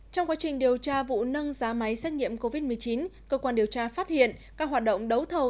trong quá trình điều tra vụ nâng giá máy xét nghiệm covid một mươi chín cơ quan điều tra phát hiện các hoạt động đấu thầu